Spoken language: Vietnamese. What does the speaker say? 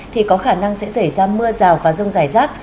thì có khả năng sẽ xảy ra mưa rào và rông rải rác